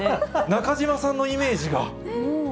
中島さんのイメージが。